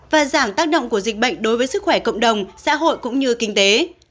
và giảm tác động của dịch bệnh đối với sức khỏe cộng đồng xã hội cũng như kinh tế